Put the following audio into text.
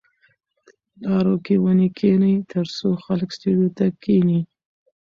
په لارو کې ونې کېنئ ترڅو خلک سیوري ته کښېني.